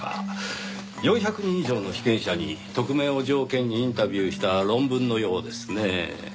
４００人以上の被験者に匿名を条件にインタビューした論文のようですねぇ。